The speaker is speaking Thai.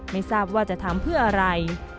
ไม่ทราบว่าจะทำเพื่ออะไร